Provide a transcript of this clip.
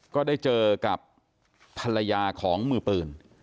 ก็ได้เจอกับภรรยาของมือปืน